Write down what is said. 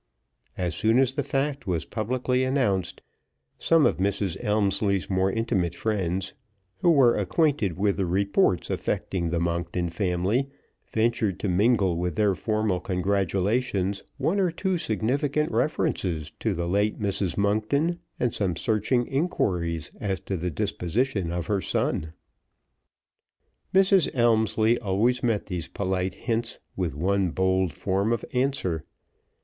As soon as the fact was publicly announced, some of Mrs. Elmslie's more intimate friends, who were acquainted with the reports affecting the Monkton family, ventured to mingle with their formal congratulations one or two significant references to the late Mrs. Monkton and some searching inquiries as to the disposition of her son. Mrs. Elmslie always met these polite hints with one bold form of answer.